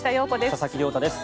佐々木亮太です。